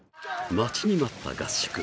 待ちに待った合宿。